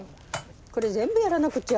これ全部やらなくちゃ。